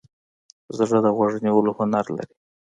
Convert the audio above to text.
زړه د غوږ نیولو هنر لري.